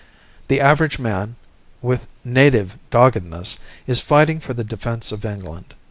The average man, with native doggedness, is fighting for the defence of England.